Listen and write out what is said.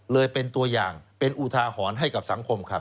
เลยเป็นตัวอย่างเป็นอุทาหรณ์ให้กับสังคมครับ